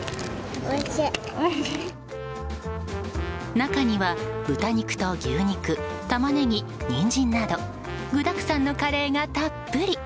中には豚肉と牛肉タマネギ、ニンジンなど具だくさんのカレーがたっぷり。